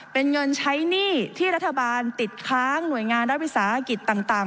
เป็นเงินใช้หนี้ที่รัฐบาลติดค้างหน่วยงานรัฐวิสาหกิจต่าง